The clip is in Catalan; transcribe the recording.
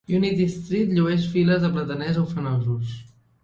Unity Street llueix files de plataners ufanosos.